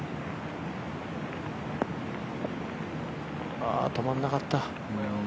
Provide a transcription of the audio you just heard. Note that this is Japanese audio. ああ、止まんなかった。